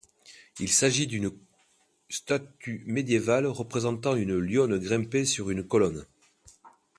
Il s'agit d'une statue médiévale représentant une lionne grimpée sur une colonne.